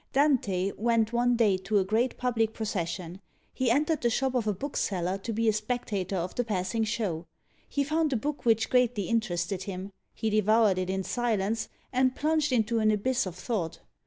Dante went one day to a great public procession; he entered the shop of a bookseller to be a spectator of the passing show. He found a book which greatly interested him; he devoured it in silence, and plunged into an abyss of thought.